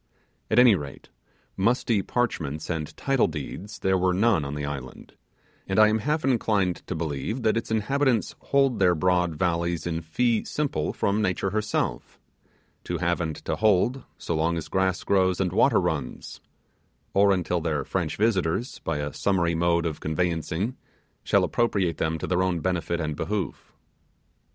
At any rate, musty parchments and title deeds there were none on the island; and I am half inclined to believe that its inhabitants hold their broad valleys in fee simple from Nature herself; to have and to hold, so long as grass grows and water runs; or until their French visitors, by a summary mode of conveyancing, shall appropriate them to their own benefit and behoof.